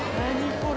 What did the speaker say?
これ。